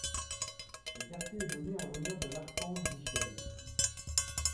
Le quartier est nommé en l'honneur de l'archange Michel.